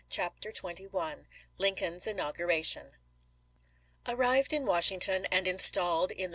CHAPTEE XXI LINCOLN'S INAUGURATION ARRIVED in Washington and installed in the chap.